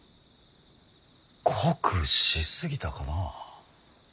濃くし過ぎたかな。